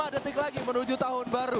dua puluh lima detik lagi menuju tahun baru